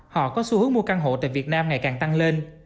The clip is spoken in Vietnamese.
họ có xu hướng mua căn hộ tại việt nam ngày càng tăng lên